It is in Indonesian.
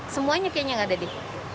semuanya kayaknya nggak ada di